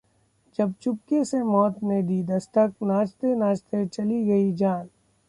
जब चुपके से मौत ने दी दस्तक, नाचते-नाचते चली गई जान